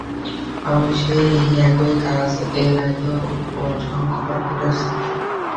অবশ্যই, এই একই কাজ এর আগেও অসংখ্যবার করেছি!